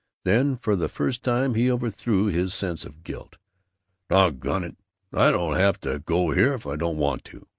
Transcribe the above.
Then, for the first time, he overthrew his sense of guilt. "Doggone it, I don't have to go here if I don't want to!